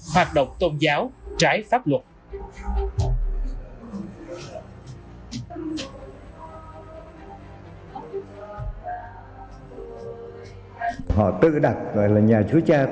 hoạt động tôn giáo trái pháp luật